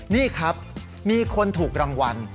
นี่ครับมีคนถูกรางวัล